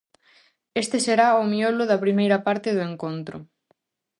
Este será o miolo da primeira parte do encontro.